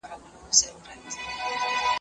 اقتصاد د تولیدي ظرفیت زیاتولو لارې بیانوي.